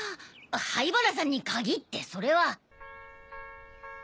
灰原さんに限ってそれは。